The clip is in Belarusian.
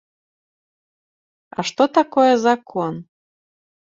А што такое закон?